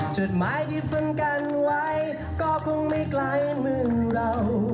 จดหมายที่ฟื้นกันไว้ก็คงไม่ไกลเหมือนเรา